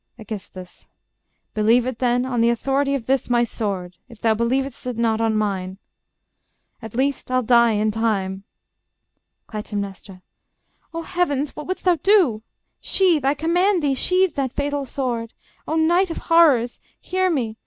Aegis. Believe it, then, On the authority of this my sword, If thou believ'st it not on mine. At least I'll die in time... Cly. O Heavens! what wouldst thou do? Sheathe, I command thee, sheathe that fatal sword. Oh, night of horrors!... hear me...